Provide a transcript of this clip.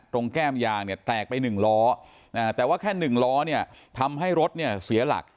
แก้มยางเนี่ยแตกไป๑ล้อแต่ว่าแค่๑ล้อเนี่ยทำให้รถเนี่ยเสียหลัก